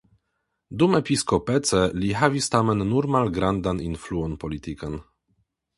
Dumepiskopece li havis tamen nur malgrandan influon politikan.